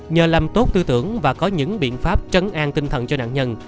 nhờ làm tốt tư tưởng và có những biện pháp trấn an tinh thần cho nạn nhân